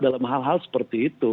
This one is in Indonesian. dalam hal hal seperti itu